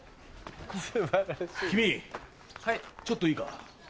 君ちょっといいか？